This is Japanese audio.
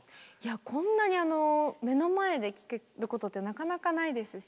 こんなに目の前で聴けることってなかなかないですし。